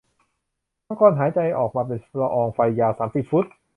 มังกรหายใจออกมาเป็นละอองไฟยาวสามสิบฟุต